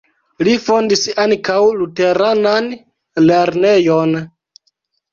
Li fondis ankaŭ luteranan lernejon.